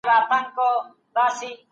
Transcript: تخلص ته په سپکه سترګه مه ګورئ.